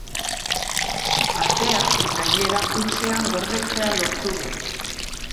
Atea, gainera, hutsean gordetzea lortu du.